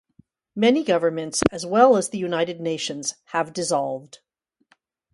Many governments, as well as the United Nations, have dissolved.